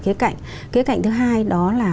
khía cạnh khía cạnh thứ hai đó là